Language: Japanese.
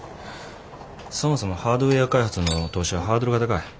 そもそもハードウェア開発の投資はハードルが高い。